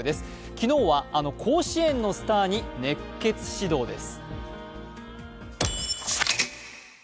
昨日は甲子園のスターに熱血指導です。